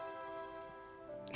ya aku tahu